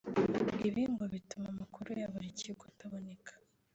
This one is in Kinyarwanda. Ibi ngo bituma amakuru ya buri kigo ataboneka